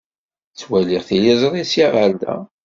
Ttwaliɣ tiliẓri ssya ɣer da.